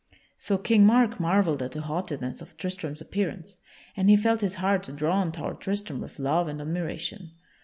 So King Mark marvelled at the haughtiness of Tristram's appearance, and he felt his heart drawn toward Tristram with love and admiration.